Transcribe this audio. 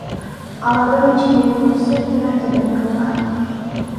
Алардын ичинде экөөсү — пенальтиден урулган.